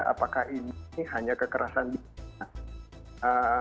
apakah ini hanya kekerasan biasa